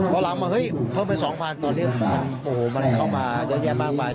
พอหลังว่าเฮ้ยเพิ่มไป๒๐๐ตอนนี้โอ้โหมันเข้ามาเยอะแยะมากมาย